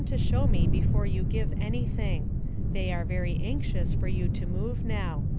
277 to show me before you give any thing. They are very anxious for you to move now.